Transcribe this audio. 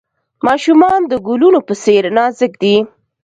ماشومان د ګلونو په څیر نازک دي.